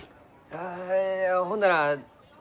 あほんなら全部。